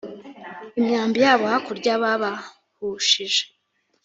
imyambi yabo hakurya babahushije